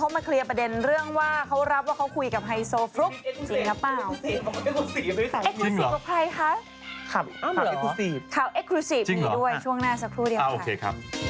เขามาเคลียร์ประเด็นเรื่องว่าเขารับว่าเขาคุยกับไฮโซฟรุ๊ก